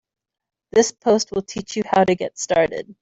This post will teach you how to get started.